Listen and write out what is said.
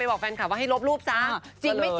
ไปบอกแฟนคลับว่าให้ลบรูปซ้าก็เลยจริง